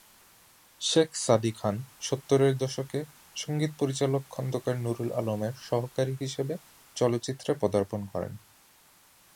শেখ সাদী খান সত্তরের দশকে সঙ্গীত পরিচালক খন্দকার নুরুল আলমের সহকারী হিসেবে চলচ্চিত্রে পদার্পণ করেন।